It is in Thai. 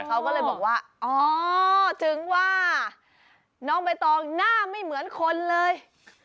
เขาก็เลยบอกว่าอ๋อถึงว่าน้องใบตองหน้าไม่เหมือนคนเลย